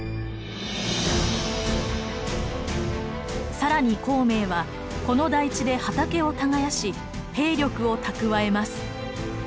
更に孔明はこの台地で畑を耕し兵力を蓄えます。